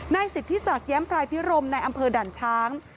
นายศิษย์ที่ศาสตร์แย้มพลายพิรมในอำเภอด่านช้าง